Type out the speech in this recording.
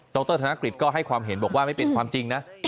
รธนกฤษก็ให้ความเห็นบอกว่าไม่เป็นความจริงนะ